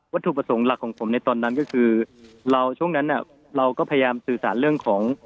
ถูกประสงค์หลักของผมในตอนนั้นก็คือเราช่วงนั้นเราก็พยายามสื่อสารเรื่องของ